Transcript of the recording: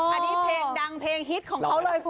อันนี้เพลงดังเพลงฮิตของเขาเลยคุณ